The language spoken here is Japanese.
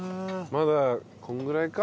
まだこのぐらいか。